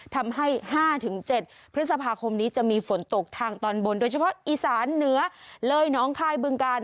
ทำให้๕๗พฤษภาคมนี้จะมีฝนตกทางตอนบนโดยเฉพาะอีสานเหนือเลยน้องคายบึงกาล